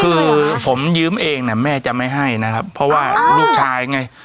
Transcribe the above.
คือผมยืมเองเนี่ยแม่จะไม่ให้นะครับเพราะว่าลูกชายไง